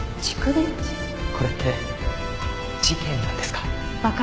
これって事件なんですか？